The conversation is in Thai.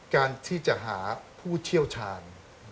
การที่จะหาผู้เชี่ยวชาญ